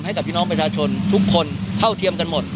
ให้กับพี่น้องประชาชนทุกคนเท่าเทียมกันหมด